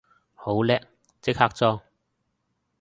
好叻，即刻裝